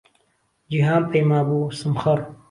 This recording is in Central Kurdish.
جیهان پهیما بوو سم خڕ